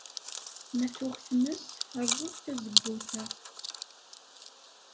Ma tuɣ tmes, rẓet tazewwut-a.